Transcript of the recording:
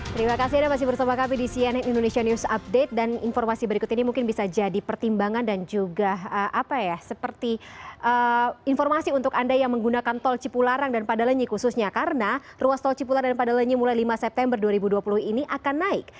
terima kasih anda masih bersama kami di cnn indonesia news update dan informasi berikut ini mungkin bisa jadi pertimbangan dan juga seperti informasi untuk anda yang menggunakan tol cipularang dan padalenyi khususnya karena ruas tol cipula dan padalenyi mulai lima september dua ribu dua puluh ini akan naik